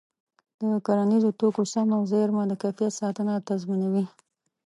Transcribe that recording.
د کرنیزو توکو سمه زېرمه د کیفیت ساتنه تضمینوي.